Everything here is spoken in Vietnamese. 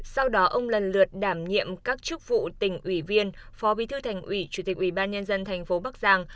sau đó ông lần lượt đảm nhiệm các chức vụ tỉnh ủy viên phó bí thư thành ủy chủ tịch ủy ban nhân dân thành phố bắc giang